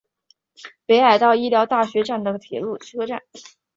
北海道医疗大学站的铁路车站。